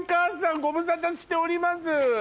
ご無沙汰しております。